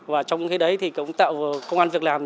và trong những cái đấy thì cũng tạo công an việc làm